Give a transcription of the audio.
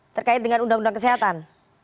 terkait dengan undang undang kesehatan